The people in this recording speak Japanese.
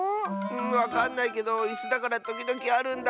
わかんないけどいすだからときどきあるんだ。